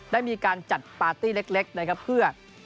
ได้มีการจัดปาร์ตี้เล็กนะครับเพื่อ